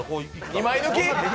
二枚抜き？